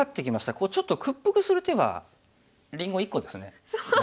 こうちょっと屈服する手はりんご１個ですね大体。